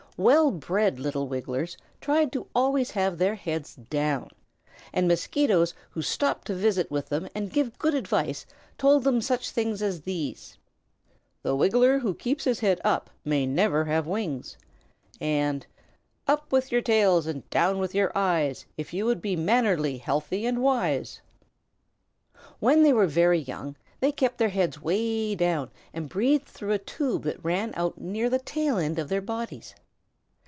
Well bred little Wigglers tried to always have their heads down, and Mosquitoes who stopped to visit with them and give good advice told them such things as these: "The Wiggler who keeps his head up may never have wings," and, "Up with your tails and down with your eyes, if you would be mannerly, healthy, and wise." When they were very young they kept their heads way down and breathed through a tube that ran out near the tail end of their bodies.